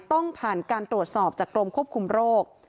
ต้องผ่านการตรวจสอบจากกรมควบคุมโรค